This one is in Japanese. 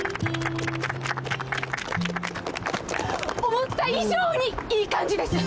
思った以上にいい感じです。